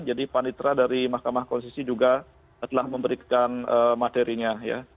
jadi panitra dari mk juga telah memberikan materinya ya